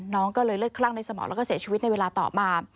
น้องก็เลยเลือดคลั่งในสมองแล้วก็เสียชีวิตในเวลาต่อมา